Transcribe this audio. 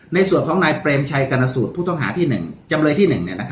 ในส่วนของนายเปรมชัยกรณสูตรผู้ต้องหาที่๑จำเลยที่๑